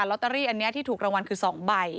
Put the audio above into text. ลอตเตอรี่อันนี้ที่ถูกรางวัลคือ๒ใบ